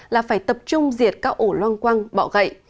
là phải tập trung diệt các ổ loan quăng bỏ gậy